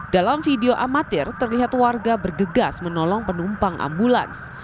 dalam video amatir terlihat warga bergegas menolong penumpang ambulans